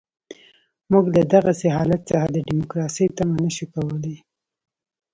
موږ له دغسې حالت څخه د ډیموکراسۍ تمه نه شو کولای.